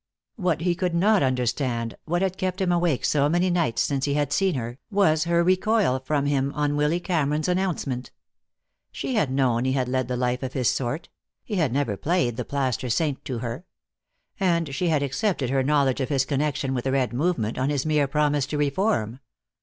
What he could not understand, what had kept him awake so many nights since he had seen her, was her recoil from him on Willy Cameron's announcement. She had known he had led the life of his sort; he had never played the plaster saint to her. And she had accepted her knowledge of his connection with the Red movement, on his mere promise to reform.